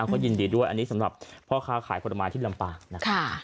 ก็ยินดีด้วยอันนี้สำหรับพ่อค้าขายผลไม้ที่ลำปางนะครับ